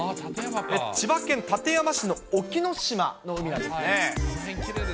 千葉県館山市の沖ノ島の海なんですね。